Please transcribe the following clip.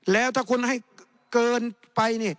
แล้วถ้าคุณให้เกินไป